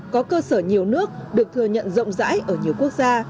có cơ sở nhiều nước được thừa nhận rộng rãi ở nhiều quốc gia